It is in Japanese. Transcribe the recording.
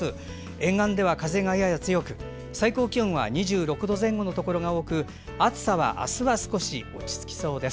沿岸では風がやや強く最高気温は２６度前後のところが多く暑さはあすは少し落ち着きそうです。